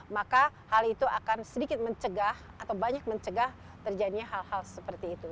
maka hal itu akan sedikit mencegah atau banyak mencegah terjadinya hal hal seperti itu